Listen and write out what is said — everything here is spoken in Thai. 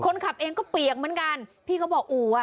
คนขับเองก็เปียกเหมือนกันพี่เขาบอกอู๋อ่ะ